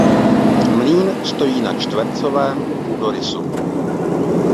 Mlýn stojí na čtvercovém půdorysu.